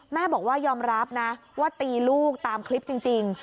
แม่บอกว่ายอมรับนะว่าตีลูกตามคลิปจริง